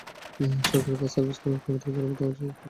সরকারি bus service কবে থেকে চালু হবে তা-ও ঠিক করে বলছে না।